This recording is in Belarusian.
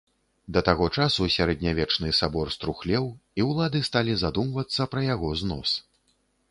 Да таго часу сярэднявечны сабор струхлеў, і ўлады сталі задумвацца пра яго знос.